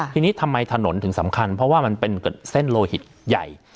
ทีนี้ทำไมถนนถึงสำคัญเพราะว่ามันเป็นเส้นโลหิตใหญ่